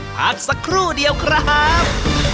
พักสักครู่เดียวครับ